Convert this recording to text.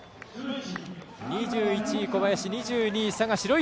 ２１、小林、２２位、佐賀、白石。